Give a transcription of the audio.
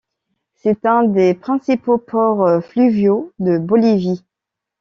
C'est un des principaux ports fluviaux de Bolivie.